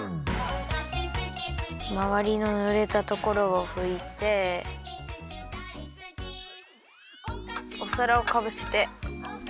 まわりのぬれたところをふいておさらをかぶせてよいしょ。